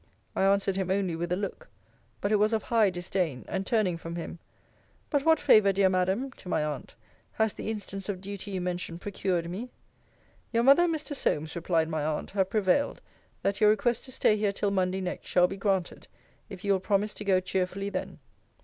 I answered him only with a look; but it was of high disdain; and turning from him, But what favour, dear Madam, [to my aunt,] has the instance of duty you mention procured me? Your mother and Mr. Solmes, replied my aunt, have prevailed, that your request to stay here till Monday next shall be granted, if you will promise to go cheerfully then.